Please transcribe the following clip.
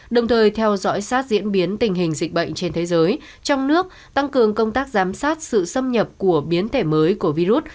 đồng thời theo dõi sát diễn biến tình hình dịch bệnh trên thế giới trong nước tăng cường công tác giám sát sự xâm nhập của biến thể mới của virus